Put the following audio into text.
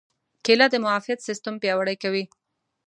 کېله د معافیت سیستم پیاوړی کوي.